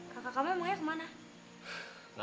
kakak kamu emangnya kemana